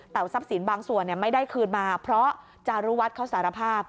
แต่ทรัพย์สินบางส่วนไม่ได้คืนมาเพราะจารุวัฒน์เขาสารภาพ